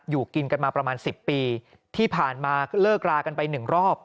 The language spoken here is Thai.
อยู่กินกันมาประมาณ๑๐ปีที่ผ่านมาเลิกรากันไปหนึ่งรอบ